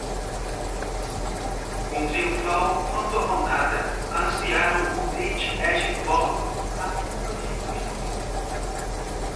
com triunfal fanfarronada anunciam urbi et orbi a compra de instrumentos